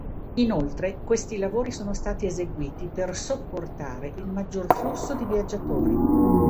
Inoltre, questi lavori sono stati eseguiti per sopportare il maggior flusso di viaggiatori.